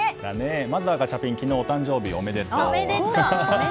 まずはガチャピン昨日、お誕生日おめでとう。